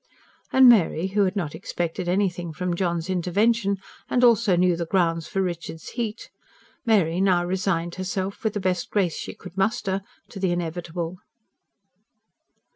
And Mary, who had not expected anything from John's intervention, and also knew the grounds for Richard's heat Mary now resigned herself, with the best grace she could muster, to the inevitable.